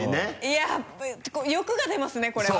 いや欲が出ますねこれ。